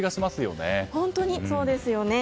本当にそうですよね。